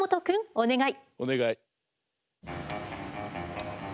お願い。